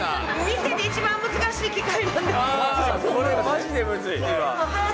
店で一番難しい機械なんです。